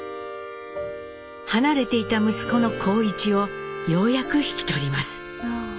離れていた息子の幸一をようやく引き取ります。